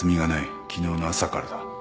昨日の朝からだ。